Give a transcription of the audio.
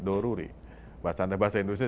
doruri bahasa bahasa indonesia